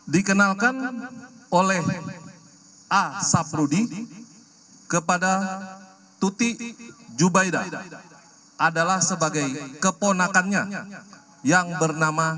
dikenalkan oleh a saprudi kepada tuti jubaida adalah sebagai keponakannya yang bernama